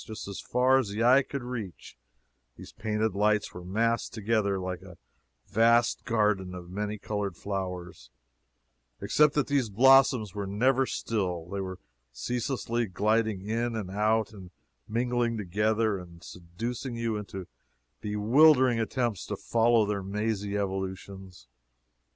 Just as far as the eye could reach, these painted lights were massed together like a vast garden of many colored flowers, except that these blossoms were never still; they were ceaselessly gliding in and out, and mingling together, and seducing you into bewildering attempts to follow their mazy evolutions.